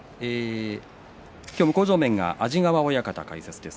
向正面が安治川親方の解説です。